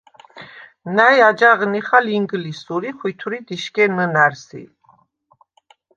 ნა̈ჲ აჯაღ ნიხალ ინგლისურ ი ხვითვრიდ იშგენ ნჷნა̈რსი.